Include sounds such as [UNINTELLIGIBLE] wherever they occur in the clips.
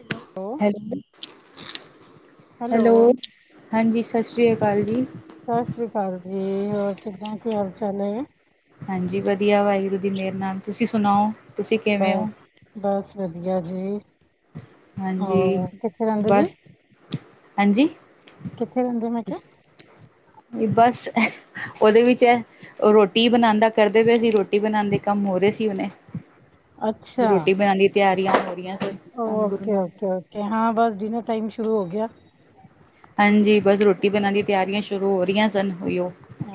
Hello hello ਜੀ hello ਹਾਂਜੀ ਸਸ ਰੀਆ ਕਾਲ ਜੀ। ਸਸ ਰੀ ਕਾਲ ਜੀ ਹੋਰ ਕਿੱਦਾਂ ਕੀ ਹਾਲ ਚਾਲ ਏ। ਹਾਂਜੀ ਵਦੀਆ ਵਾਹਿਗੁਰੂ ਦੀ ਮੇਰ ਨਾਲ ਤੁਸੀਂ ਸੁਨਾਓ ਬਸ, ਬਸ ਵਦੀਆ ਜੀ। ਹਾਂਜੀ, ਹੋਰ ਕਿੱਥੇ ਰਹਿੰਦੇ ਜੀ ਬਸ, ਹਾਂਜੀ ਕਿੱਥੇ ਰੈਂਦੇ ਓਂ ਮੈਂ ਕਿਆ। ਐ ਦੱਸ ਐ, ਓਦੇ ਵਿੱਚ ਐ। ਰੋਟੀ ਬਨਾਨ ਦਾ ਕਰਦੇ ਪਏ ਸੀ ਰੋਟੀ ਬਨਾਨ ਦੇ ਕੰਮ ਹੋ ਰਏ ਸੀ ਹੁਨੇ। ਕਿਹਾ ਰੋਟੀ ਬਨਾਨ ਦੀ ਤਿਆਰੀਆਂ ਹੋ ਰੀਆਂ ਸੀ। ਓਕੇ-ਓਕੇ-ਓਕੇ ਹਾਂ ਬਸ ਡਿਨਰ ਟਾਈਮ ਸ਼ੁਰੂ ਹੋ ਗਿਆ। ਹਾਂਜੀ ਬਸ ਰੋਟੀ ਬਨਨ ਦੀਆ ਤਿਆਰੀਆਂ ਸ਼ੁਰੂ ਹੋ ਰਈਆਂ ਸਨ ਓਈਓ।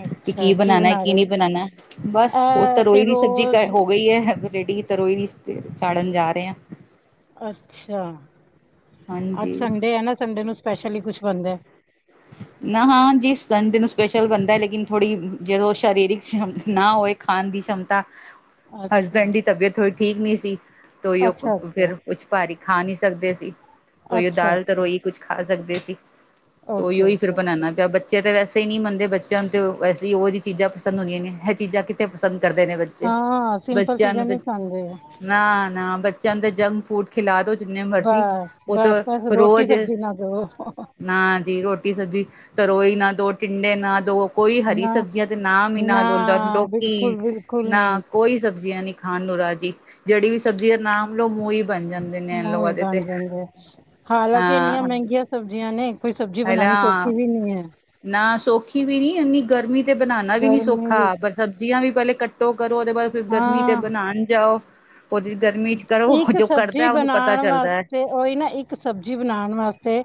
ਅੱਛਾ ਕੀ ਬਨਾਨਾ ਐ ਬਣਾ ਕੀ ਰਹੇ ਨਈ ਬਨਾਨਾ, ਬਸ ਓ ਇਹ ਤੇ ਤਰੋਈ ਦੀ ਸਬਜ਼ੀ ਰੋਜ਼ ਹੋ ਗਈ ਐ। ਰੇਡੀ ਤਰੋਈ ਦੀ ਚਾੜਨ ਜਾ ਰਏ ਆਂ। ਅੱਛਾ, ਅੱਜ ਹਾਂਜੀ ਸੰਡੇ ਐ ਨਾ ਸੰਡੇ ਨੂੰ ਸਪੈਸ਼ਲੀ ਕੁਛ ਬਨਦੈ। [UNINTELLIGIBLE] ਨਾ, ਹਾਂਜੀ ਸੰਡੇ ਨੂੰ ਸਪੈਸ਼ਲ ਬਨਦੈ ਲੇਕਿਨ ਥੋੜੀ ਜਦੋਂ ਸ਼ਾਰੀਰਕ ਨਾ ਹੋਏ ਖਾਨ ਦੀ ਸ਼ਮਤਾ ਹੈ। ਅੱਛਾ ਹਸਬੈਂਡ ਦੀ ਤਬੀਅਤ ਥੋੜੀ ਠੀਕ ਨੀ ਸੀ, ਤੇ ਓਈਓ ਅੱਛਾ ਅੱਛਾ ਫਿਰ- ਕੁਛ ਭਾਰੀ ਖਾ ਨੀ ਸਕਦੇ ਸੀ। ਕੋਈ ਓ ਅੱਛਾ ਦਾਲ ਅੱਛਾ ਤਰੋਈ ਕੁਛ ਖਾ ਸਕਦੇ ਸੀ, ਤੇ ਓਕੇ ਓਈ-ਓਈ ਫਿਰ ਓਕੇ ਓਕੇ ਬਨਾਨਾ ਪਿਆ ਬੱ ਬੱਚੇ ਤਾਂ ਵੈਸੇ ਈ ਨਈ ਮੰਨਦੇ ਬੱਚਿਆਂ ਨੂੰ ਤਾਂ ਵੈਸੇ ਈ ਓਹੋ ਜੀ ਚੀਜ਼ਾਂ ਪਸੰਦ ਹੁੰਦੀਆਂ ਨੇ ਏ ਚੀਜ਼ਾਂ ਕਿੱਥੇ ਪਸੰਦ ਕਰਦੇ ਨੇ ਬੱਚੇ। ਹਾਂ, ਸਿੰਪਲ ਚੀਜ਼ਾਂ ਨੀ ਖਾਂਦੇ। ਨਾ-ਨਾ ਬੱਚਿਆਂ ਨੂੰ ਤੇ ਜੰਕ ਫੂਡ ਖਿਲਾ ਦੋ ਜਿੰਨੇ ਮਰਜ਼ੀ। ਉਹ ਤਾਂ ਬਸ-ਬਸ ਰੋਟੀ ਰੋਜ਼ ਸਬਜ਼ੀ ਬਨਾ ਕੇ ਦੋ। ਨਾ ਜੀ ਰੋਟੀ ਸਬਜ਼ੀ ਤਰੋਈ ਨਾ ਦੋ ਟਿੰਡੇ ਨਾ ਦੋ ਕੋਈ ਹਰੀ ਨਾ ਸਬਜ਼ੀਆਂ ਦੇ ਨਾਮ ਈ ਨਾ ਲੋ ਲੋਕੀ ਬਿਲਕੁਲ ਬਿਲਕੁਲ ਨਾ ਨਹੀਂ ਕੋਈ ਸਬਜ਼ੀਆਂ ਨੀ ਖਾਨ ਨੂੰ ਰਾਜੀ ਜੇੜੀ ਵੀ ਸਬਜ਼ੀ ਦਾ ਨਾਮ ਲਓ ਮੂੰਹ ਈ ਬਨ ਜਾਂਦੈ। ਮੂੰਹ ਈ ਬਨ ਜਾਂਦੈ। ਹਾਲਾਂਕਿ ਹਾਂ ਏਨੀਆਂ ਮੈਂਗੀਆਂ ਸਬਜ਼ੀਆਂ ਨੇ ਕੋਈ ਸਬਜ਼ੀ ਬਨਾਨੀ ਹਲਾ ਸੌਖੀ ਵੀ ਨਈ ਐ। ਨਾ ਸੌਖੀ ਵੀ ਨੀ ਏਨੀ ਗਰਮੀ ਤੇ ਬਨਾਨਾ ਵੀ ਨੀ ਗਰਮੀ ਸੌਖਾ ਵਿੱਚ ਪਰ ਸਬਜ਼ੀਆਂ ਵੀ ਪੈਲੇ ਕਟ ਟੋ ਕਰੋ, ਉਹਦੇ ਬਾਅਦ ਫਿਰ ਗਰਮੀ ਤੇ ਹਾਂ ਬਣਾਣ ਜਾਓ। ਉਹਦੀ ਗਰਮੀ'ਚ ਕਰੋ, ਇੱਕ ਜੋ ਸਬਜ਼ੀ ਕਰਦਾ ਉਹਨੂੰ ਪਤਾ ਬਣਾਉਣ ਚੱਲਦੈ। ਵਾਸਤੇ ਉਹੀ ਨਾ ਇੱਕ ਸਬਜ਼ੀ ਬਣਾਣ ਵਾਸਤੇ,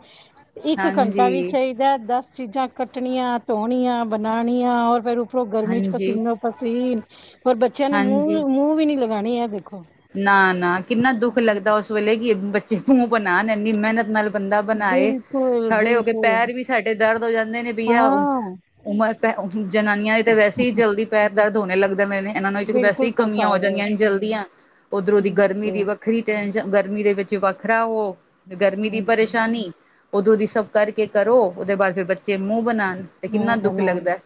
ਇੱਕ ਘੰਟਾ ਵੀ ਹਾਂਜੀ ਚਾਹੀ ਦਸ ਚੀਜ਼ਾਂ ਕੱਟਣੀਆਂ, ਧੋਣੀਆਂ, ਬਣਾਣੀਆਂ ਔਰ ਫਿਰ ਉਪਰੋ ਗਰਮੀ'ਚ ਹਾਂਜੀ ਪਸੀਨੋ-ਪਸੀਨ, ਹੋਰ ਬੱਚਿਆਂ ਨੇ ਮੂੰਹ ਵੀ ਨੀ ਲਗਾਣੀ, ਐ ਦੇਖੋ। ਨਾ-ਨਾ ਕਿੰਨਾ ਦੁੱਖ ਲੱਗਦਾ ਉਸ ਵੇਲੇ, ਕਿ ਬੱਚੇ ਮੂੰਹ ਬਣਾਨ ਇੰਨੀ ਮਿਹਨਤ ਨਾਲ ਬੰਦਾ ਬਨਾਏ, ਬਿਲਕੁਲ ਖੜੇ ਹੋਕੇ ਬਿਲਕੁਲ ਪੈਰ ਵੀ ਸਾਡੇ ਦਰਦ ਹੋ ਜਾਂਦੇ ਨੇ ਬੀ ਆ ਹਾਂ ਉਮਰ ਤੇ, ਜਨਾਨੀਆਂ ਦੀ ਤਾਂ ਵੈਸੇ ਹੀ ਜਲਦੀ ਪੈਰ ਦਰਦ ਹੋਣੇ ਲੱਗ ਜਾਂਦੇ ਨੇ, ਇਹਨਾਂ ਨੂੰ ਵਿੱਚ ਵੈਸੇ ਹੀ ਬਿਲਕੁਲ ਕਮੀਆਂ ਹੋ ਜਾਂਦੀਆਂ ਥਕਾਵਟ ਨੇ ਜਲਦੀਆਂ, ਉੱਧਰੋਂ ਦੀ ਗਰਮੀ ਬਿਲਕੁਲ ਦੀ ਵੱਖਰੀ ਟੈਂਸ਼ਨ, ਗਰਮੀ ਦੇ ਵਿੱਚ ਵੱਖਰਾ ਓ, ਗਰਮੀ ਦੀ ਪਰੇਸ਼ਾਨੀ। ਉਧਰੋਂ ਦੀ ਸਭ ਕਰਕੇ ਕਰੋ, ਉਹਦੇ ਬਾਅਦ ਫਿਰ ਬੱਚੇ ਮੂੰਹ ਬਨਾਨ ਤੇ ਕਿੰਨਾ ਦੁੱਖ ਲੱਗਦਾ।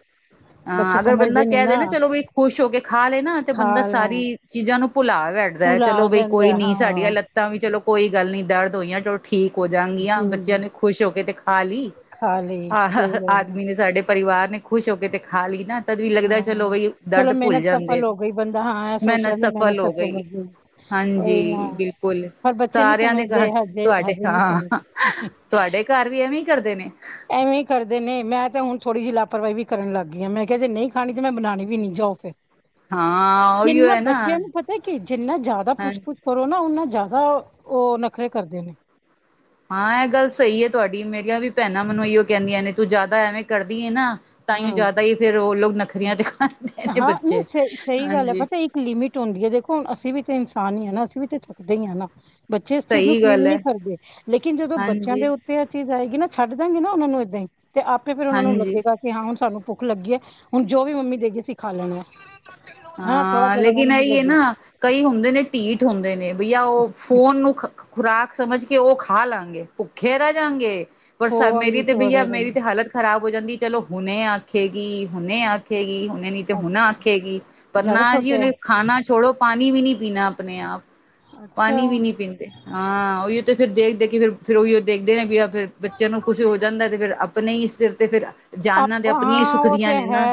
ਹਾਂ, ਅਗਰ ਬੰਦਾ ਕਹਿਦੇ ਨਾ ਚਲੋ ਵੀ ਖੁਸ਼ ਹੋਕੇ ਖਾਲੇ ਨਾ, ਤੇ ਬੰਦਾ ਸਾਰੀ ਚੀਜ਼ਾਂ ਨੂੰ ਭੁਲਾਵੇ ਰਹਿ ਚਲੋ ਬਈ ਕੋਈ ਨੀ, ਸਾਡੀਆਂ ਲੱਤਾਂ ਵੀ ਚਲੋ ਕੋਈ ਗੱਲ ਨੀ ਦਰਦ ਹੋਈਆਂ ਟ ਠੀਕ ਹੋ ਜਾਂਗੀਆਂ, ਬੱਚਿਆਂ ਨੇ ਖੁਸ਼ ਹੋਕੇ ਤੇ ਖਾਲੀ, ਆ ਆਦਮੀ ਨੇ ਸਾਡੇ ਪਰਿਵਾਰ ਨੇ ਖੁਸ਼ ਹੋ ਕੇ ਤੇ ਖਾ ਲਈ ਨਾ। ਜਦ ਵੀ ਲੱਗਦਾ ਚਲੋ ਬਈ ਦਰਦ ਭੁੱਲ ਜਾਂਦੇ ਨੇ ਮਿਹਨਤ ਸਫਲ ਹੋ ਗਈ। ਹਾਂਜੀ ਉਹੀ ਨਾ, ਬਿਲਕੁਲ ਪਰ ਬੱਚੇ ਨਹੀਂ ਸਾਰਿਆਂ ਦੇ ਸਮਝਦੇ ਬਸ ਹਜੇ ਤੁਹਾਡੇ ਹਜੇ ਨਹੀਂ ਹਾਂ ਸਮਝਦੇ। ਤੁਹਾਡੇ ਘਰ ਵੀ ਐਵੇਂ ਹੀ ਕਰਦੇ ਨੇ। ਐਵੇਂ ਈ ਕਰਦੇ ਨੇ, ਮੈਂ ਤੇ ਹੁਣ ਥੋੜ੍ਹੀ ਜੇਹੀ ਲਾਪਰਵਾਹੀ ਵੀ ਕਰਨ ਲੱਗ ਗਈ ਆ, ਮੈਂ ਕੇਹਾ ਜੇ ਨਹੀਂ ਖਾਣੀ ਤੇ ਮੈਂ ਬਨਾਣੀ ਵੀ ਨੀ ਜਾਓ ਫੇਰ। ਹਾਂ ਉਹੀਓ ਕਿੰਨਾ ਹੈ ਨਾ ਬੱਚਿਆਂ ਨੂੰ ਪਤਾ ਕਿ ਜਿੰਨਾ ਜ਼ਿਆਦਾ ਹਾਂ ਪੁੱਛ ਪੁੱਛ ਕਰੋ ਨਾ ਉਹਨੂੰ ਜ਼ਿਆਦਾ ਉਹ ਨਖਰੇ ਕਰਦੇ ਨੇ। ਹਾਂ ਇਹ ਗੱਲ ਸਹੀ ਹੈ ਤੁਹਾਡੀ ਮੇਰੀਆਂ ਵੀ ਭੈਣਾਂ ਮੈਨੂੰ ਇਹੀ ਕਹਿੰਦੀਆਂ ਨੇ ਤੂੰ ਜ਼ਿਆਦਾ ਐਵੇਂ ਕਰਦੀ ਹੈ ਨਾ। ਤਾਂ, ਈ, ਓ ਹਾਂ। ਜ਼ਾਦਾ ਈ ਫੇਰ ਉਹ ਲੋਗ ਨਖਰੀਆਂ ਦਿਖਾਂਦੇ ਨੇ ਹਾਂ ਨਹੀਂ ਬੱਚੇ ਸਹੀ ਸਹੀ ਗੱਲ ਹੈ ਹਾਂਜੀ। ਪਤਾ ਇੱਕ ਲਿਮਿਟ ਹੁੰਦੀ ਹੈ ਦੇਖੋ ਅਸੀਂ ਵੀ ਤੇ ਇਨਸਾਨ ਹੀ ਹਾ ਨਾ ਅਸੀਂ ਵੀ ਤੇ ਥੱਕਦੇ ਹੀ ਹਾ ਨਾ। ਬੱਚੇ ਇਸ ਚੀਜ਼ ਨੂੰ ਸਹੀ ਫੀਲ ਗੱਲ ਹੈ ਨਹੀਂ ਕਰਦੇ ਲੇਕਿਨ ਜਦੋਂ ਬੱਚਿਆਂ ਹਾਂਜੀ ਦੇ ਉੱਤੇ ਤੇ ਏਹ ਚੀਜ਼ ਆਏਗੀ ਨਾ, ਛੱਡ ਦਾਂਗੀ ਨਾ ਓਹਨਾ ਨੂੰ ਏਦਾਂ ਹੀ, ਤੇ ਆਪੇ ਫਿਰ ਓਹਨਾਂ ਨੂੰ ਹਾਂਜੀ ਲੱਗੇਗਾ ਕਿ ਹਾਂ ਹੁਣ ਸਾਨੂੰ ਭੁੱਖ ਲੱਗੀ ਹੈ ਹੁਣ ਜੋ ਵੀ ਮੰਮੀ ਦੇ ਗਈ ਸੀ ਖਾ ਲੈਦੇ ਆ। ਹਾਂ ਲੇਕਿਨ ਏ ਹੀ ਨਾ ਕਈ ਹੁੰਦੇ ਨੇ ਢੀਠ ਹੁੰਦੇ ਨੇ ਬਈ ਆ ਉਹ ਫੋਨ ਨੂੰ ਖੁਰਾਕ ਸਮਝ ਕੇ ਉਹ ਖਾ ਲਾਂਗੇ ਭੁੱਖੇ ਰਹਿ ਜਾਂਗੇ। ਫੋਨ ਮੇਰੀ ਤੇ ਵਿੱਚ ਬਈਆ ਵੜੇ ਮੇਰੀ ਤੇ ਰਹਿੰਦੇ ਹਾਲਤ ਖ਼ਰਾਬ ਹੋ ਜਾਂਦੀ ਚਲੋ ਹੁਣੇ ਆਖੇਗੀ ਹੁਣੇ ਆਖੇਗੀ ਹੁਣੇ ਨੀ ਤੇ ਅੱਛਾ, ਹੁਣ ਆਖੇਗੀ। ਪਰ ਜ਼ਿਆਦਾ ਨਾ ਜੀ ਛੋਟੇ ਆ ਉਹਨੇ ਖਾਨਣਾ ਛੋੜੋ ਪਾਣੀ ਵੀ ਨਹੀਂ ਪੀਣਾ ਆਪਣੇ ਆਪ ਅੱਛਾ ਪਾਣੀ ਵੀ ਨਹੀਂ ਪੀਂਦੇ। ਹਾਂ ਉਹੀਓ ਤੇ ਫਿਰ ਦੇਖ ਦੇਖ ਕੇ ਫਿਰ ਫਿਰ ਉਹੀ ਉਹ ਦੇਖਦੇ ਨੇ ਫਿਰ ਬੱਚਿਆਂ ਨੂੰ ਕੁੱਛ ਹੋ ਜਾਂਦਾ ਤੇ ਫਿਰ ਆਪਣੇ ਹੀ ਸਿਰ ਤੇ ਫਿਰ ਜਾਨਾਂ ਤੇ ਆਪਣੀਆਂ ਹੀ ਸੁਖਦੀਆਂ ਨੇ ਨਾ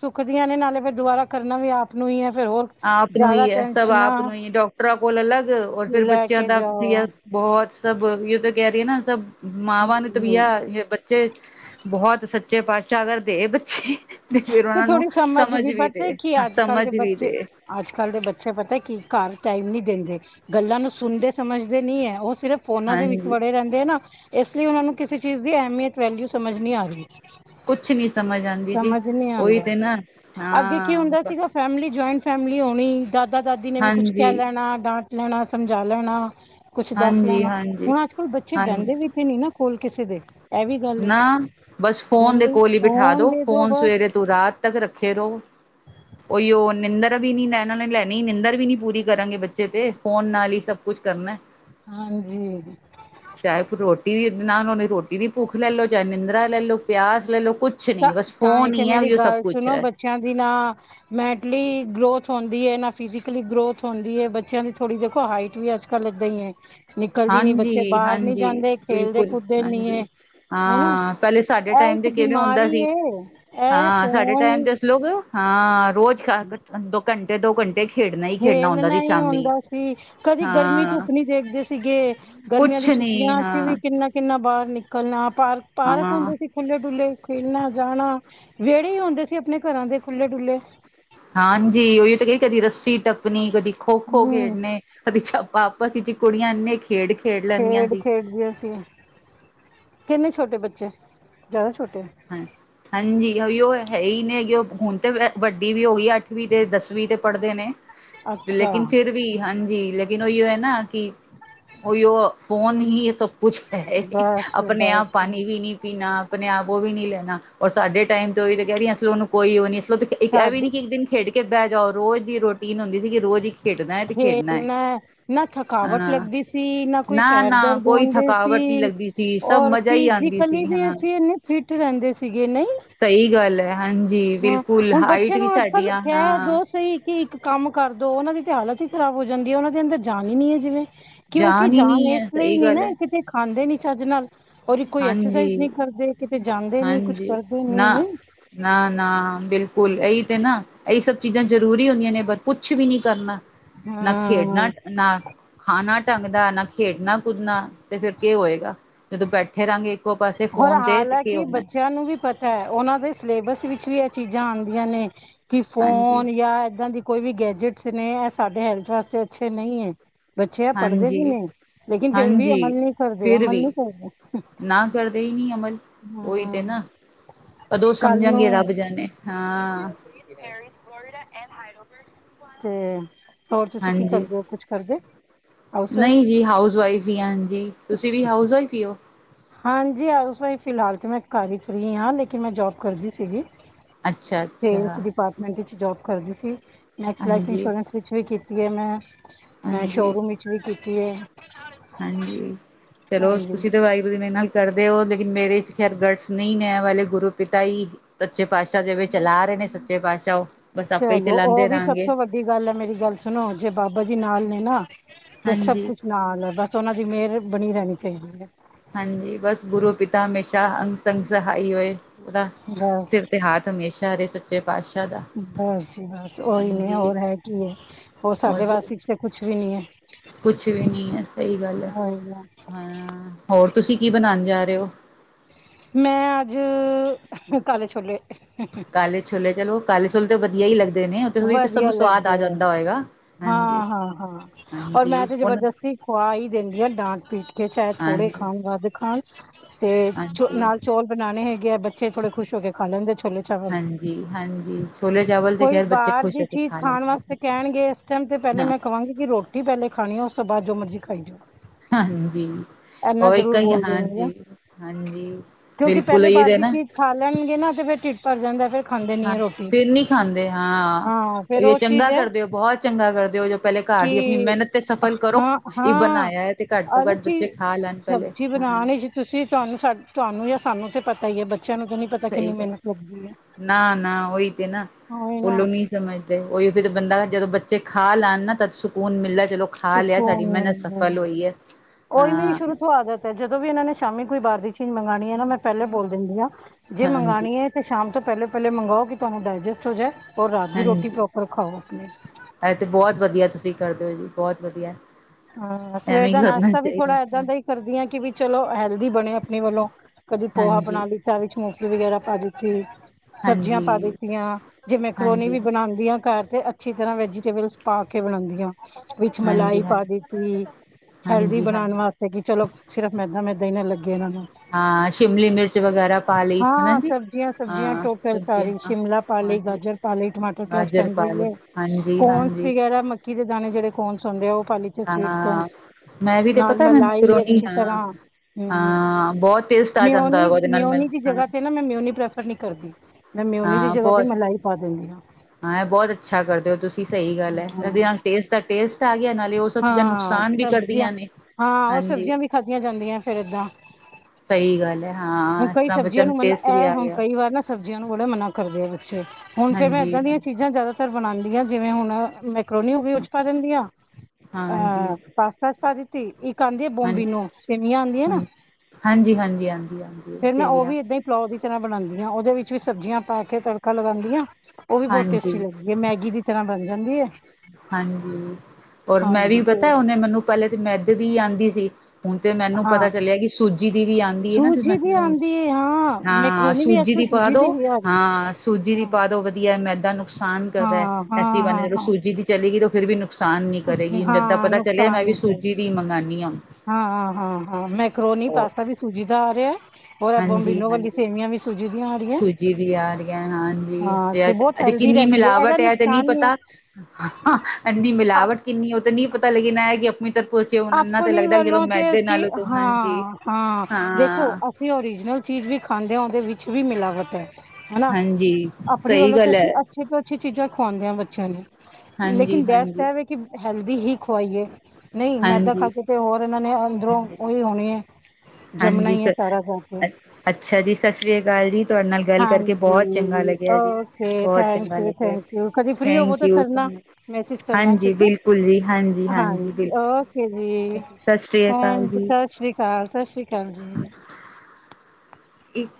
ਸੁੱਕਦੀਆਂ ਨੇ ਨਾਲੇ ਫਿਰ ਦੁਬਾਰਾ ਕਰਨਾ ਵੀ ਆਪ ਨੂੰ ਹੀ ਹੈ ਫਿਰ ਹੋਰ ਆਪ ਨੂੰ ਜ਼ਿਆਦਾ ਹੀ ਹੈ ਸਭ ਆਪ ਟੈਨਸ਼ਨਾਂ ਨੂੰ ਹੀ ਡਾਕਟਰਾਂ ਕੋਲ ਅਲੱਗ ਔਰ ਫਿਰ ਲੈ ਬੱਚਿਆਂ ਕੇ ਦਾ ਜਾਓ ਬਹੁਤ ਸਭ ਇਹ ਤਾਂ ਕਹਿ ਰਹੀ ਹੈ ਨਾ ਸਭ ਮਾਵਾਂ ਨੇ ਤਾਂ ਹਮ ਵੀਆ ਬ ਬਹੁਤ ਸੱਚੇ ਪਾਤਸ਼ਾਹ ਅਗਰ ਦੇ ਬੱਚੇ ਤੇ ਫਿਰ ਓਹਨਾਂ ਨੂੰ ਥੋੜੀ ਸਮਝ ਵੀ ਪਤਾ ਹੈ ਦੇ, ਕਿ ਹਾਂ ਅੱਜ ਕੱਲ ਸਮਝ ਵੀ ਬੱਚੇ ਦੇ। ਅੱਜ -ਕੱਲ੍ਹ ਦੇ ਬੱਚੇ ਪਤਾ ਕਿ ਘਰ ਟਾਈਮ ਨਈ ਦਿੰਦੇ, ਗੱਲਾਂ ਨੂੰ ਸੁਣਦੇ ਸਮਝਦੇ ਨਈ ਐ, ਓਹ ਸਿਰਫ਼ ਫੋਨਾ ਦੇ ਵਿੱਚ ਹਾਂਜੀ ਵੜੇ ਰਹਿੰਦੇ ਆ ਨਾ ਇਸ ਲਈ ਉਹਨਾਂ ਨੂੰ ਕਿਸੇ ਚੀਜ਼ ਦੀ ਅਹਿਮੀਅਤ ਵੈਲਿਊ ਸਮਝ ਨਹੀਂ ਆ ਰਹੀ। ਕੁਛ ਨੀ ਸਮਝ ਆਂਦੀ। ਸਮਝ ਨੀ ਆਂਦਾ, ਅੱਗੇ ਕੀ ਹਾਂ ਹੁੰਦਾ ਸੀਗਾ ਫੈਮਿਲੀ ਜੁਆਇੰਟ ਫੈਮਿਲੀ ਹੋਣੀ ਦਾਦਾ ਦਾਦੀ ਨੇ ਵੀ ਕੁਛ ਹਾਂਜੀ ਕਹਿ ਲੈਣਾ ਡਾਂਟ ਲੈਣਾ ਸਮਝਾ ਲੈਣਾ ਕੁਛ ਦੱਸ ਹਾਂਜੀ, ਲੈਣਾ ਹਾਂਜੀ, ਹੁਣ ਅੱਜ ਕੱਲ੍ਹ ਬੱਚੇ ਹਾਂਜੀ ਬਹਿੰਦੇ ਵੀ ਤੇ ਨੀ ਨਾ ਕੋਲ ਕਿਸੇ ਦੇ ਇਹ ਵੀ ਗੱਲ ਹੈ ਨਾ ਬਸ ਫੋਨ ਦੇ ਬਹਿੰਦੇ ਕੋਲ ਈ ਬਿਠਾ ਫੋਨ ਦੋ ਦੇ ਫੋਨ ਬਸ ਸਵੇਰੇ ਤੂੰ ਰਾਤ ਤੱਕ ਰੱਖੇ ਰਹੋ, ਓਹੀ, ਓਹ ਨਿੰਦਰ ਵੀ ਨੀ ਲੈ ਏਹਨਾਂ ਨੇ ਲੈਣੀ ਨਿੰਦਰ ਵੀ ਨੀ ਪੂਰੀ ਕਰਾਂਗੇ ਬੱਚੇ ਤੇ, ਫੋਨ ਨਾਲ ਈ ਸਭ ਕੁੱਛ ਕਰਨਾ। ਹਾਂਜੀ। ਚਾਹੇ ਫਿਰ ਰੋਟੀ ਨਾਲ ਓਹਨਾ ਦੀ ਰੋਟੀ ਦੀ ਭੁੱਖ ਲੈ ਲੋ ਚਾਹੇ ਨਿੰਦਰਾ ਲੈ ਲਓ ਪਿਆਸ ਲੈ ਲਓ ਕੁੱਛ ਕੁਛ ਤਾਂ ਨਹੀ ਬਸ ਤਾਂ ਇਹ ਫੋਨ ਤੇ ਹੀ ਹੈ ਓਹ ਮੇਰੀ ਹੀ ਸਭ ਗੱਲ ਕੁਛ ਹੈ। [INAUDIBLE] ਮੈਂਟਲੀ ਗਰੋਥ ਹੁੰਦੀ ਹੈ ਨਾ ਫਿਜ਼ਕਲੀ ਗਰੋਥ ਹੁੰਦੀ ਹੈ ਬੱਚਿਆਂ ਦੀ ਥੋੜੀ ਦੇਖੋ ਹਾਈਟ ਵੀ ਅੱਜ ਕੱਲ ਇਦਾਂ ਹੀ ਹੈ। ਨਿਕਲਦੀ ਨੀ ਬੱਚੇ ਹਾਂਜੀ, ਬਾਹਰ ਨੀ ਹਾਂਜੀ ਜਾਂਦੇ ਖੇਲਦੇ ਬਿਲਕੁਲ ਕੁਦਦੇ ਨੀ ਹਨਾ। ਪੇਲੇ ਸਾਡੇ ਟਾਈਮ ਤੇ ਕਿਵੇਂ ਹੁੰਦਾ ਸੀ, ਇਹ ਹਾਂ ਸਾਡੇ ਫੋਨ ਟਾਈਮ ਤੇ ਅਸੀਂ ਲੋਕ ਹਾਂ ਰੋਜ਼ ਖਾ ਇਕੱਠਾ ਦੋ ਘੰਟੇ -ਦੋ ਘੰਟੇ ਖੇਡਣਾ ਹੀ ਖੇਡਣਾ ਹੁੰਦਾ ਸੀ ਹੇਲਣਾ ਹੀ ਸ਼ਾਮੀ ਹੁੰਦਾ ਸੀ, ਕਦੀ ਹਾਂ ਗਰਮੀ-ਧੁੱਪ ਨੀ ਦੇਖਦੇ ਸੀਗੇ। ਗਰਮੀਆਂ ਕੁਛ ਦੀ ਨੀ ਛੁੱਟੀਆਂ'ਚ ਹਾਂ ਵੀ ਕਿੰਨਾ-ਕਿੰਨਾ ਬਾਹਰ ਨਿਕਲਣਾ, ਪਾਰਕ, ਪਾਰਕ ਹਾਂ ਹੁੰਦੇ ਸੀ। ਖੁੱਲ੍ਹੇ-ਡੁੱਲੇ, ਖੇਲਣਾ, ਜਾਣਾ ਵਿਹੜੇ ਹੀ ਹੁੰਦੇ ਸੀ ਆਪਣੇ ਘਰਾਂ ਦੇ ਖੁੱਲ੍ਹੇ-ਡੁੱਲੇ। ਹਾਂਜੀ, ਉਹੀ ਤਾਂ ਕਹੀ ਕਦੀ ਰੱਸੀ ਟੱਪਣੀ, ਕਦੀ ਖੋ-ਖੋ ਹੂੰ ਖੇਡਣੇ। ਕਦੀ ਆਪਸ ਵਿੱਚ'ਚ ਕੁੜੀਆਂ ਇੰਨੇ। ਖੇਡ ਲੈਂਦੀਆਂ ਖੇਡ ਸੀ ਖੇਡਦੀਆਂ ਸੀ ਕਿੰਨੇ ਛੋਟੇ ਬੱਚੇ, ਜ਼ਿਆਦਾ ਛੋਟੇ? ਹਾਂ ਹਾਂਜੀ, ਓਹੀ ਉਹ ਹੈਹੀ ਨੇ ਹੈਗੇ, ਉਹ ਹੁਣ ਤੇ ਵੱਡੀ ਵੀ ਹੋ ਗਈ ਅੱਠਵੀਂ ਤੇ ਦਸਵੀਂ ਤੇ ਪੜ੍ਹਦੇ ਨੇ। ਅੱਛਾ ਲੇਕਿਨ ਫਿਰ ਵੀ ਹਾਂਜੀ, ਲੇਕਿਨ ਉਹੀ ਓ ਨਾ ਕਿ, ਓਈ ਓ ਫੋਨ ਹੀ ਪੁਛਦਾ ਹੇ ਬਸ ਅਪਣੇ-ਆਪ ਬਸ ਪਾਣੀ ਵੀ ਨਹੀਂ ਪੀਣਾ, ਅਪਣੇ-ਆਪ। ਓਹ ਵੀ ਨੀ ਲੈਣਾ, ਔਰ ਸਾਡੇ ਟਾਈਮ ਤੇ ਓਈ ਤਾਂ ਕਹਿ ਰਹੀ ਅਸੀਂ ਉਹਨੂੰ ਕੋਈ ਉਹ ਨੀ, ਅਲ ਇਹ ਵੀ ਸਾਡੀ ਨੀ ਕਿ ਇੱਕ ਦਿਨ ਖੇਡਕੇ ਬਹਿ ਜਾਓ, ਰੋਜ਼ ਦੀ ਰੋਟੀਨ ਹੁੰਦੀ ਸੀਗੀ ਰੋਜ਼ ਹੀ ਖੇਡਣਾ ਹੈ ਤੇ ਖੇਡਣਾ ਹੈ ਖੇਲਣੈ ਨਾ ਥਕਾਵਟ ਹਾਂ ਲੱਗਦੀ ਸੀ, ਨਾ ਕੋਈ ਪੈਰ ਨਾ ਦਰਦ ਕੋਈ ਹੁੰਦੇ ਥਕਾਵਟ ਨਹੀਂ ਸੀ ਲੱਗਦੀ ਸੀ ਸਭ ਔਰ ਮਜ਼ਾ ਹੀ ਆਉਂਦੀ ਸੀ ਫਿਜੀਕਲੀ ਵੀ ਹਾਂ ਅਸੀ ਇੰਨੇ ਫਿਟ ਰਹਿੰਦੇ ਸੀਗੇ, ਨਹੀਂ। ਸਹੀ ਗੱਲ ਹੈ, ਹਾਂਜੀ, ਹਾਂ ਬਿਲਕੁਲ ਹੁਣ ਹਾਈਟ ਬੱਚਿਆਂ ਵੀ ਨੂੰ ਅੱਜ ਕੱਲ ਸਾਡੀਆਂ ਕਹਿ ਹਾਂ ਦੋ ਸਹੀ ਕਿ ਇੱਕ ਕੰਮ ਕਰਦੋ, ਉਹਨਾਂ ਦੀ ਤਾਂ ਹਾਲਤ ਹੀ ਖ਼ਰਾਬ ਹੋ ਜਾਂਦੀ ਏ, ਉਹਨਾਂ ਦੇ ਅੰਦਰ ਜਾਣ ਹੀ ਨਹੀਂ ਏ ਜਿਵੇਂ। ਕਿਉਂਕਿ ਹੀ ਜਾਨ ਨਹੀਂ ਏਸ ਹੈ ਲਈ ਸਹੀ ਨੀ ਗੱਲ ਨਾ ਹੈ ਕਿਤੇ ਖਾਂਦੇ ਨੀ ਚੱਜ ਨਾਲ, ਔਰ ਏ ਕੋਈ ਐਕਸਰਸਾਈਜ਼ ਹਾਂਜੀ ਨਹੀਂ ਕਰਦੇ, ਕਿਤੇ ਜਾਂਦੇ, ਨੀ ਕੁਛ ਕਰਦੇ ਨੀ। ਨਾ-ਨਾ ਬਿਲਕੁਲ, ਇਹੀ ਤੇ ਨਾ। ਇਹ ਸਭ ਚੀਜ਼ਾਂ ਜ਼ਰੂਰੀ ਹੁੰਦੀਆਂ ਨੇ, ਪਰ ਕੁੱਛ ਵੀ ਨਹੀਂ ਕਰਨਾ ਨਾ ਹਾਂ ਖੇਡਣਾ ਨਾ ਖਾਣਾ ਢੰਗ ਦਾ, ਨਾ ਖੇਡਣਾ-ਕੁਦਣਾ ਤੇ ਫਿਰ ਕੇ ਹੋਏਗਾ, ਜਦੋਂ ਬੈ ਫੇਰਾਂਗੇ ਹੋਰ, ਹਾਲਾਂਕਿ ਬੱਚਿਆਂ ਨੂੰ ਵੀ ਪ ਤੈ, ਉਹਨਾਂ ਦੇ ਸਿਲੇਬਸ ਵਿੱਚ ਵੀ ਇਹ ਚੀਜ਼ਾਂ ਆਂਦੀਆਂ ਨੇ, ਕਿ ਹਾਂਜੀ ਫੋਨ ਯਾ ਏਦਾਂ ਦੀ ਕੋਈ ਵੀ ਗੈਜੇਟਸ ਨੇ, ਐ ਸਾਡੇ ਹੈਲਥ ਵਾਸਤੇ ਅੱਛੇ ਨਹੀਂ ਏ। ਬੱਚੇ ਆ ਪੜ੍ਹਦੇ ਹਾਂਜੀ ਵੀ ਨੇ, ਲੇਕਿਨ ਫੇਰ ਵੀ ਹਾਂਜੀ ਅਮਲ ਨਹੀਂ ਕਰਦੇ, ਫਿਰ ਅਮਲ ਵੀ ਨਹੀਂ ਕਰਦੇ। ਨਾ ਕਰਦੇ ਹੀ ਨਹੀਂ ਅਮਲ, ਉਹੀ ਤੇ ਹਾਂ ਨਾ ਅਦੋਂ ਕੱਲ ਸਮਝਾਂਗੇ ਨੂੰ ਰੱਬ ਜਾਨੇ। ਤੇ ਹੋਰ ਤੁਸੀਂ ਕੀ ਹਾਂਜੀ ਕਰਦੇ ਓ, ਕੁਛ ਕਰਦੇ? ਹਾਊਸ ਵਾਈਫ ਨਹੀਂ ਜੀ ਹਾਊਸ ਵਾਈਫ ਈ ਆ ਹਾਂਜੀ, ਤੁਸੀਂ ਵੀ ਹਾਊਸ ਵਾਈਫ ਹੀ ਓ? ਹਾਂਜੀ ਹਾਓਸ ਵਾਈਫ ਫਿਲਹਾਲ ਤਾਂ ਮੈਂ ਘਰ ਹੀ ਫਰੀ ਹਾਂ ਲੇਕਿਨ ਮੈਂ ਜੋਬ ਕਰਦੀ ਸੀਗੀ। ਅੱਛਾ ਸੇਲ ਅੱਛਾ ਡਿਪਾਰਟਮੈਂਟ ਵਿਚ ਜੋਬ ਕਰਦੀ ਸੀ ਮੈਕਸ ਲਾਈਫ ਹਾਂਜੀ, ਇੰਸ਼ੋਰੈਂਸ ਵਿ- ਚ ਵੀ ਕੀਤੀ ਹੈ ਮੈਂ, ਮੈਂ ਹਾਂਜੀ, ਸ਼ੋਰੂਮ ਵਿੱਚ ਵੀ ਕੀਤੀ ਹੈ। ਹਾਂਜੀ ਚਲੋ ਹਾਂਜੀ ਤੁਸੀਂ ਵਹਿਗੂਰੁ ਮੇਹਰ ਨਾਲ। ਕਰਦੇ ਹੋ ਲੇਕੀਨ ਮੇਰੇ ਚ ਐ ਗਰਡਸ ਨਹੀਂ ਨੇ, ਐ ਵਾਲੇ ਗੁਰੂ ਪਿਤਾ ਜੀ। ਸੱਚੇ ਪਾਤਸ਼ਾਹ, ਜਿਵੇਂ ਚਲਾ ਰਹੇ ਨੇ ਸੱਚੇ ਪਾਤਸ਼ਾਹ ਉਹ ਬਸ ਆਪੇ ਹੀ ਚਲਾਉਂਦੇ ਰਹਾਂਗੇ। ਦੀ ਗੱਲ ਹੈ ਮੇਰੀ ਗੱਲ ਸੁਣੋ, ਜੇ ਬਾਬਾ ਜੀ ਨਾਲ ਨੇ ਨਾ ਤੇ ਸਭ ਹਾਂਜੀ, ਕੁਛ। ਨਾਲ ਐ, ਬਸ ਉਹਨਾਂ ਦੀ ਮਿਹਰ ਬਣੀ ਰਹਿਣੀ ਚਾਹੀਦੀ ਹੈ। ਹਾਂਜੀ ਬਸ ਗੁਰੂ ਪਿਤਾ ਹਮੇਸ਼ਾ ਅੰਗ ਸੰੰਗ ਸਹਾਈ, ਹੋਏ ਉਹਦਾ ਬਸ ਸਿਰ ਤਿ ਹਾਥ ਹਮੇਸ਼ਾ ਰਹੇ। ਸੱਚੇ ਪਾਤਸ਼ਾਹ ਦਾ। ਬਸ ਜੀ ਬਸ ਉਹੀ ਹੈ, ਹਾਂਜੀ ਹੋਰ ਹੈ ਕੀ ਹੈ, ਹੋਰ ਸਾਡੇ ਵਾਸਤੇ ਤੇ ਕੁਛ ਵੀ ਨਹੀਂ, ਕੁਛ ਵੀ ਨਹੀਂ ਹੈ ਸਹੀ ਗੱਲ ਹੈ ਹੋਰ ਗਿਆ। ਹਾਂ ਹੋਰ ਤੁਸੀਂ ਕੀ ਬਣਾਉਣ ਜਾ ਰਹੇ ਹੋ? ਮੈਂ ਅੱਜ ਕਾਲੇ ਛੋਲੇ। ਕਾਲੇ ਛੋਲੇ ਚਲੋ ਕਾਲੇ ਛੋਲੇ, ਤਾਂ ਵਧੀਆ ਹੀ ਲੱਗਦੇ ਨੇ, ਐ ਤਾ ਵਧੀਆ ਸਬਨੂੰ ਸਵਾਦ ਆ ਲੱਗਦੇ ਹੈ ਜਾਂਦਾ ਹੋਏਗਾ। ਹਾਂਜੀ, ਹਾਂ- ਹਾਂ, ਹਾਂ। ਔਰ ਹਾਂਜੀ ਮੈਂ ਤੇ ਉਹਨਾਂ ਜਬਰਦਸਤੀ ਖੁਆ ਹੀ ਦਿੰਦੀ ਹਾਂ ਡਾਂਟ- ਪੀਟ ਕੇ ਚਾਹੇ ਥੋੜੇ ਖਾਣ ਵੱਧ ਖਾਣ। ਅੱਛਾ। ਤੇ ਚੋ ਨਾਲ ਚੋਲ ਬਣਾਣੇ ਹੈਗੇ ਆ ਬੱਚੇ ਥੋੜੇ ਖੁਸ਼ ਹੋ ਕੇ ਖਾ ਲੈਂਦੇ ਛੋਲੇ ਚਾਵਲ। ਹਾਂਜੀ-ਹਾਂਜੀ। ਕੋਈ ਬਾਰ ਦੀ ਚੀਜ਼ ਖਾਣ ਵਾਸਤੇ ਨੇ। ਕੈਣਗੇ ਇਸ ਟੈਮ ਤੇ ਪੈਲੇ ਹਾਂ, ਮੈਂ ਕਵਾਂਗੀ ਕੀ ਰੋਟੀ ਪੈਲੇ ਖਾਣੀ ਤੇ ਉਸ ਤੋਂ ਬਾਦ ਜੋ ਮਰਜ਼ੀ ਖਾਈ ਜਾਓ। ਹਾਂਜੀ ਇੰਨਾ ਓਈ ਜ਼ਰੂਰ ਕਈ ਬੋਲ ਦੇਣਗੇ ਹਾਂਜੀ-ਹਾਂਜੀ। ਕਿਉਂਕਿ ਪੇਲੇ ਬਾਰ ਦੀ ਚੀਜ਼ ਖਾ ਲੈਣਗੇ ਨਾ ਤੇ ਫੇਰ ਢਿੱਟ ਭਰ ਜਾਂਦਾ, ਫੇਰ ਖਾਂਦੇ ਨੀ ਹਾਂ ਐ ਰੋਟੀ। ਫਿਰ ਨਹੀਂ ਖਾਂਦੇ ਹਾਂ ਫਿਰ ਏ ਉਹ ਚੀਜ਼ ਚੰਗਾ ਹੈ ਕਰਦੇ ਓ ਬੋਹਤ ਚੰਗਾ ਕਰਦੇ ਓ ਜੋ ਪੈਲੇ ਘਰ ਦੀ ਆਪਣੀ ਕਿ ਮਿਹਨਤ ਤੇ ਸਫਲ ਕਰੋ ਹਾਂ ਈ ਹਾਂ ਬਣਾਇਆ। ਘੱਟ ਤੋਂ ਘੱਟ ਬੱਚੇ ਖਾ ਲੈਣ ਪੈਲੇ ਹਾਂ। [UNINTELLIGIBLE] ਜੀ ਤੁਸੀਂ ਤੁਹਾਨੂੰ ਸਾ ਤੁਹਾਨੂੰ ਜਾਂ ਸਾਨੂੰ ਤੇ ਪਤਾ ਈ ਐ ਬ ਸਈ ਗੱਲ ਨਾ- ਨਾ ਓਈ ਤੇ ਨਾ ਉਹੀ ਨਾ [UNINTELLIGIBLE] ਨੀ ਸਮਝਦੇ ਓਈ ਫੇਰ ਬੰਦਾ ਜਦੋਂ ਬੱਚੇ ਖਾ ਲਾਣ ਨਾ ਤਦ ਸਕੂਨ ਮਿਲਦਾ ਚਲੋ ਖਾ ਲਿਆ ਸਾਡੀ ਸਕੂਨ ਮਿਹਨਤ ਮਿਲਦਾ ਹੈ। ਸਫਲ ਹੋਈ ਐ ਆ। ਤੇ ਜਦੋਂ ਵੀ ਏਨਾਂ ਨੇ ਸ਼ਾਮੀ ਕੋਈ ਬਾਰ ਦੀ ਚੀਜ਼ ਮੰਗਾਂਣੀ ਐ ਨਾ ਮੈਂ ਪੇਲੇ ਬੋਲ ਦਿੰਦੀ ਆ ਜੇ ਹਾਂਜੀ ਮੰਗਾਂਣੀ ਐ ਤੇ ਸ਼ਾਮ ਤੋਂ ਪੈਲੇ-ਪੈਲੇ ਮੰਗਾਂਓ ਕਿ ਤੁਹਾਨੂੰ ਡਾਇਜੈਸਟ ਹੋ ਜਾਏ ਔਰ ਰਾਤ ਦੀ ਰੋਟੀ ਪ੍ਰੋਪਰ ਖਾਓ [UNINTELLIGIBLE] ਐ ਤੇ ਬੋਤ ਵਧੀਆ ਤੁਸੀਂ ਕਰਦੇ ਓ ਜੀ ਬੋਤ ਵਧੀਆ। ਹਾਂ ਸਵੇਰ ਐਵੇਂ ਹੀ ਦਾ ਕਰਨਾ ਨਾਸ਼ਤਾ ਵੀ ਚਾਹੀਦਾ ਥੋੜਾ ਏਦਾਂ ਦਾ ਈ ਕਰਦੀ ਆ ਕਿ ਵੀ ਚਲੋ ਹੈਲਦੀ ਬਣੇ ਆਪਣੇ ਵੱਲੋਂ। ਕਦੀ ਪੋਹਾ ਹਾਂਜੀ ਹਾਂਜੀ ਬਣਾ ਲੀਤਾ ਵਿੱਚ ਮੂੰਗਫਲੀ ਵਗੈਰਾ ਪਾ ਦਿੱਤੀ। ਸਬਜ਼ੀਆਂ ਪਾ ਹਾਂਜੀ ਦਿੱਤੀਆਂ, ਜੇ ਮੈਂਕਰੋਨੀ ਹਾਂਜੀ ਵੀ ਬਨਾਂਦੀ ਆ ਘਰ ਤੇ ਅੱਛੀ ਤਰਾਂ ਵੈਜੀਟੇਬਲਸ ਪਾ ਕੇ ਬਣਾਦੀਆਂ ਵਿੱਚ ਹਾਂਜੀ ਮਲਾਈ ਪਾ ਦਿੱਤੀ ਹੈਲਦੀ ਹਾਂਜੀ ਬਣਾਣ ਹਾਂਜੀ ਵਾਸਤੇ ਕਿ ਚਲੋ ਸਿਰਫ਼ ਮੈਦਾ-ਮੈਦਾ ਈ ਨਾ ਲੱਗੇ ਏਨਾਂ ਨੂੰ। ਹਾਂ ਸ਼ਿਮਲੀ ਮਿਰਚ ਵਗੈਰਾ ਪਾ ਲਈ ਹਨਾ ਹਾਂ ਜੀ ਸਬਜ਼ੀਆਂ-ਸਬਜ਼ੀਆਂ ਹਾਂ ਪ੍ਰੋਪਰ ਸਬਜ਼ੀਆਂ ਸਾਰੀ ਹਾਂ ਸ਼ਿਮਲਾ ਪਾ ਲਈ, ਹਾਂਜੀ ਗਾਜਰ ਪਾ ਲਈ, ਟਮਾਟਰ ਪਿਆਜ ਗਾਜਰ ਪੈਂਦਾ ਪਾ ਈ ਲਈ ਏ। ਹਾਂਜੀ ਕੋਨਸ ਹਾਂਜੀ ਵਗੈਰਾ ਮੱਕੀ ਦੇ ਦਾਣੇ ਜੇੜੇ ਕੋਨਸ ਹੁੰਦੇ ਆ ਓ ਪਾਲੀ। ਤੇ ਹਾਂ, ਸਵੀਟਕੋਨਸ ਮੈਂ ਵੀ ਤੇ ਨਾਲ ਪਤਾ ਮੈਂ ਮਲਾਈ ਮੈਕਰੋਨੀ ਅੱਛੀ ਹਾਂ। ਤਰਾਂ। ਹੂੰ ਹਾਂ, ਬਹੁਤ ਟੇਸਟ ਆ ਜਾਂਦਾ ਹੈਗਾ ਉਹਦੇ ਨਾਲ ਮ ਮੇਓਨੀ-ਮੇਓਨੀ ਦੀ ਹਾਂ, ਜਗਾ ਤੇ ਤੇ ਨਾ ਮੈਂ ਮਿਉਨੀ ਪ੍ਰੈਫਰ ਨੀ ਕਰਦੀ, ਮੈਂ ਮਿਓਨੀ ਦੀ ਹਾਂ ਜਗ੍ਹਾ ਤੇ ਬਹੁਤ ਮਲਾਈ ਪਾ ਦੇਨੀ ਆ। ਹਾਂ ਏ ਬੋਤ ਅੱਛਾ ਕਰਦੇ ਓ ਤੁਸੀਂ, ਸਈ ਗੱਲ ਐ, ਏਦੇ ਨਾਲ ਟੇਸਟ ਦਾ ਟੇਸਟ ਆ ਗਿਆ ਨਾਲੇ ਓ ਹਾਂ ਸਬਜ਼ੀਆਂ, ਹਾਂ ਓ ਹਾਂਜੀ। ਸਬਜ਼ੀਆਂ ਵੀ ਖਾਦੀਆਂ ਜਾਂਦੀਆਂ ਫੇਰ ਏਦਾਂ। ਸਈ ਗੱਲ ਐ। ਹੁਨ ਕਈ ਸਬਜ਼ੀਆਂ ਨੂੰ ਮੰਨ ਐ ਹੁਨ ਕਈ ਵਾਰ ਨਾ ਸਬਜ਼ੀਆਂ ਨੂੰ ਬੜਾ ਮਨਾ ਕਰਦੇ ਆ ਬੱਚੇ ਹੁਨ ਫੇਰ ਮੈਂ ਹਾਂਜੀ। ਏਦਾਂ ਦੀਆਂ ਹਾਂਜੀ, ਚੀਜ਼ਾਂ ਜਾਦਾ ਤਰ ਬਨਾਦੀ ਆਂ ਜਿਵੇਂ ਹੁਨ ਮੈਕਰੋਨੀ ਹੋਗੀ ਉ ਚ ਪਾ ਦਿੰਦੀ ਆਂ ਹਾਂਜੀ, ਅ ਪਾਸਤਾ ਚ ਪਾਂ ਦਿੱਤੀ, ਇੱਕ ਆਂਦੀ ਆ ਬੋਬੀਨੌ ਸੇਵੀਆਂ ਆਦੀਆਂ ਨਾ। ਹਾਂਜੀ, ਹਾਂਜੀ, ਹਾਂਜੀ ਹਾਂ ਫੇਰ ਮੈਂ ਓ ਵੀ ਏਦਾਂ ਈ ਪਲੋ ਦੀ ਤਰ੍ਹਾਂ ਬਣਾਦੀ ਆ, ਓਦੇ ਵਿੱਚ ਵੀ ਸਬਜ਼ੀਆਂ ਪਾ ਕੇ ਤੜਕਾ ਲਗਾਂਦੀ ਆ। ਓ ਵੀ ਬੋਤ ਟੇਸਟੀ ਹਾਂਜੀ। ਲੱਗਦੀ ਐ, ਮੈਗੀ ਦੀ ਤਰ੍ਹਾਂ ਬਨ ਜਾਂਦੀ ਐ। ਹਾਂਜੀ, ਔਰ ਮੈਂ ਵੀ ਤੇ ਪਤਾ ਓੰਨ ਪੈਲੇ ਤਾਂ ਮੈਦੇ ਦੀ ਹੀ ਆਂਦੀ ਸੀ ਹੁਨ ਤੇ ਮੈਨੂੰ ਪਤਾ ਹਾਂ ਚੱਲਿਆ ਕਿ ਸੂਜੀ ਦੀ ਵੀ ਆ ਦੀ ਏ ਨਾ ਮੈਂ ਸੂਜੀ ਦੀ ਫੇਰ ਹੁਨ, ਆਉਂਦੀ ਹੈ ਹਾਂ ਹਾਂ ਮੈਕਰੋਨੀ ਵੀ ਅੱਜ ਸੂਜੀ ਕੱਲ ਦੀ ਪਾ ਦੋ, ਹੀ ਆ ਰਹੀ ਹਾਂ ਸੂਜੀ ਹੈ ਦੀ ਹਾਂ ਪਾ ਦੋ ਵ ਦੀਆ ਮੈਦਾ ਨੁਕਸਾਨ ਕਰਦਾ ਐ, ਹਾਂ ਐਸੀ ਹਾਂ ਭਾਨੇ ਹਾਂ ਚੱਲੋ ਹਾਂ ਸੂਜੀ ਦੀ ਚਲੇਗੀ ਤੋ ਫਿਰ ਵੀ ਨੁਕਸਾਨ ਨੀ ਕਰੇਗੀ, ਜਦ ਦਾ ਹਾਂ ਪਤਾ ਚੱਲਿਆ ਨੁਕਸਾਨ ਮੈਂ ਵੀ ਨਹੀਂ ਸੂਜੀ ਕਰਦੀ ਦੀ ਮੰਗਾਂਨੀ ਆ। ਹਾਂ, ਹਾਂ, ਹਾਂ, ਹਾਂ ਮੈਕਰੋਨੀ ਪਾਸਤਾ ਵੀ ਸੂਜੀ ਦਾ ਆ ਰਿਆ ਐ। ਹਾਂਜੀ-ਹਾਂਜੀ, ਦੀਆਂ ਆ ਰਹੀਆਂ ਸੂਜੀ ਦੀ ਆ ਰਿਆ ਹਾਂਜੀ ਹਾਂ ਤੇ [UNINTELLIGIBLE] ਬਹੁਤ ਅਜੇ ਹੈਲਦੀ ਕਿੰਨੀ ਰਹਿੰਦੀ ਹੈ ਇਹਦਾ ਮਿਲਾਵਟ ਐ, ਐ ਤੇ ਨੀ ਨੁਕਸਾਨ ਨਹੀਂ ਹੈ ਪਤਾ। ਐੰਨੀ ਮਿਲਾਵਟ ਕਿੰਨੀ ਓ ਤੇ ਨੀ ਪਤਾ ਲੇਕਿਨ ਐ ਕਿ [UNINTELLIGIBLE] ਉਹਨਾਂ ਤੇ ਆਪਨੀ ਲੱਗਦਾ ਕਿ ਚਲੋ ਵੱਲੋਂ ਜੇ ਮੈਦੇ ਅਸੀਂ ਨਾਲੋਂ ਤੋਂ ਹਾਂਜੀ ਹਾਂ-ਹਾਂ ਦੇਖੋ ਹਾਂ ਅਸੀਂ ਓਰੀਜਨਲ ਚੀਜ਼ ਵੀ ਖਾਂਦੇ ਆ, ਓਦੇ ਵਿੱਚ ਵੀ ਮਿਲਾਵਟ ਐ। ਹਨਾ, ਹਾਂਜੀ ਆਪਨੀ ਸਹੀ ਵੱਲੋਂ ਤੇ ਗੱਲ ਹੈ ਅਸੀਂ ਅੱਛੀ ਤੋਂ ਅੱਛੀ ਚੀਜ਼ਾਂ ਖਾਵਾਂਦੇ ਆ ਬੱਚਿਆਂ ਨੂੰ ਹਾਂਜੀ ਲੇਕਿਨ ਬੈਸਟ ਹਾਂਜੀ ਐ ਵੇ ਕਿ ਹੈਲਦੀ ਹੀ ਖੁਆਈਏ, ਨਹੀ ਮੈ ਦਾ ਖਾ ਹਾਂਜੀ ਕੇ ਤੇ ਹੋਰ ਏਨਾਂ ਨੇ ਅੰਦਰੋਂ ਓਹੀ ਹੋਨੀ ਐ, ਜੰਮਨਾ ਹਾਂਜੀ ਈ ਐ ਚ ਸਾਰਾ ਜਾਕੇ। ਅੱਛਾ ਜੀ, ਸਸ਼੍ਰੀਆ ਕਾਲ ਜੀ। ਤੂਹਾਡੇ ਨਾਲ ਗੱਲ ਕਰਕੇ ਬੋਤ ਚੰਗਾ ਹਾਂਜੀ ਲੱਗਿਆ ਜੀ, ਓਕੇ ਬੋਤ ਚੰਗਾ ਥੈਂਕ ਯੂ ਲੱਗਿਆ, ਥੈਂਕ ਯੂ ਕਦੀ ਫ੍ਰਰੀ ਹੋਵੋ ਥੈਂਕ ਤਾਂ ਯੂ ਸੋ ਕਰਨਾ ਮਚ। ਮੈਸੇਜ ਕਰਨਾ ਹਾਂਜੀ, ਠੀਕ ਹੈ ਬਿਲਕੁਲ ਜੀ, ਹਾਂਜੀ-ਹਾਂਜੀ, ਹਾਂਜੀ ਬਿਲ ਓਕੇ ਜੀ, ਥੈਂਕ ਸ਼ਸ਼੍ਰੀ ਕਾਲ, ਸ਼ਸ਼੍ਰੀਕਾਲ ਜੀ। ਇੱਕ